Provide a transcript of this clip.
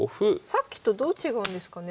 さっきとどう違うんですかね